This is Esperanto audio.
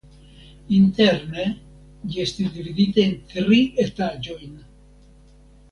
Interne ĝi estis dividita en tri etaĝojn.